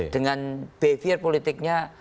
dengan behavior politiknya